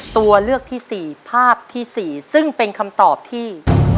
ตัวเลือกที่๔ภาพที่๔ซึ่งเป็นคำตอบที่